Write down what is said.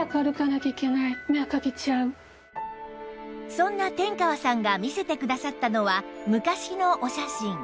そんな天川さんが見せてくださったのは昔のお写真